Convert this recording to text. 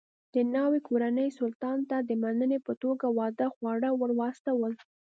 د ناوې کورنۍ سلطان ته د مننې په توګه واده خواړه ور واستول.